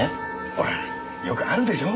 ほらよくあるでしょ？